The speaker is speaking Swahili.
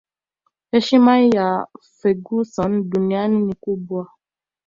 heshima ya Ferguson duniani ni kubwa